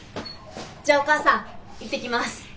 じゃあお母さんいってきます。